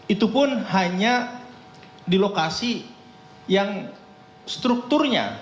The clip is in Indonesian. itu pun hanya di lokasi yang strukturnya